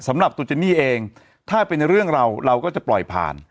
สำหรับตัวเจนี่เองถ้าเป็นเรื่องเราเราก็จะปล่อยผ่าน